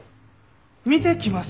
見てきます！